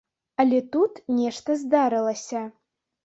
Але тут нешта здарылася.